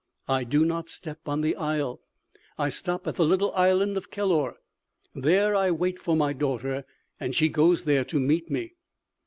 "I do not step on the isle. I stop at the little island of Kellor. There I wait for my daughter, and she goes there to meet me."